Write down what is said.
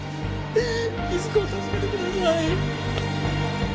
瑞子を助けてください。